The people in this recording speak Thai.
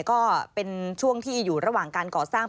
ก็เป็นช่วงที่อยู่ระหว่างการก่อสร้าง